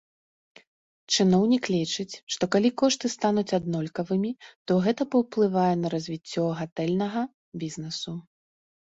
Чыноўнік лічыць, што калі кошты стануць аднолькавымі, то гэта паўплывае на развіццё гатэльнага бізнэсу.